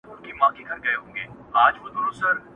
نیم وجود دي په زړو جامو کي پټ دی،!